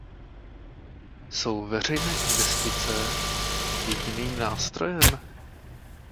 Jsou veřejné investice jediným nástrojem?